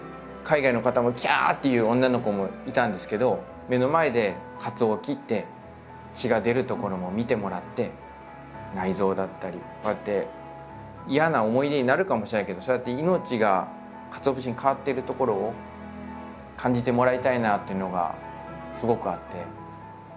海外の方も「きゃ！」って言う女の子もいたんですけど目の前で鰹を切って血が出るところも見てもらって内臓だったりとかって嫌な思い出になるかもしれないけどそうやって命が鰹節に変わっているところを感じてもらいたいなというのがすごくあって。